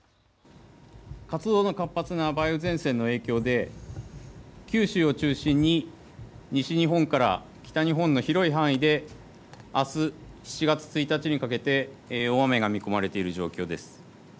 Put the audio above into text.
活動が活発な梅雨前線の影響で九州を中心に西日本から北日本の広い範囲であす７月１日にかけて大雨が見込まれている状況です。